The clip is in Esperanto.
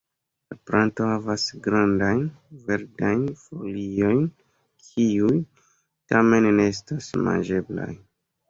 La planto havas grandajn, verdajn foliojn, kiuj tamen ne estas manĝeblaj.